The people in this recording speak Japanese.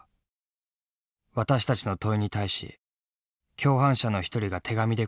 私たちの問いに対し共犯者の一人が手紙で答えた。